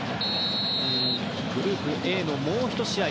グループＡのもう１試合